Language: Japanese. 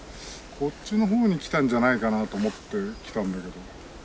こっちのほうに来たんじゃないかなと思って来たんだけど。